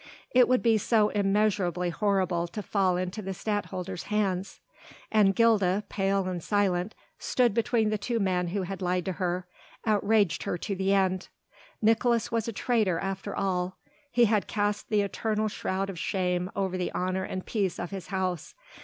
It would be so immeasurably horrible to fall into the Stadtholder's hands. And Gilda, pale and silent, stood between the two men who had lied to her, outraged her to the end. Nicolaes was a traitor after all; he had cast the eternal shroud of shame over the honour and peace of his house.